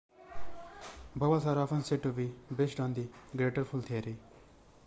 Bubbles are often said to be based on the "greater fool" theory.